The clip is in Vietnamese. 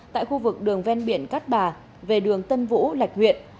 tại khu vực đường ven biển cát bà về đường tân vũ lạch huyện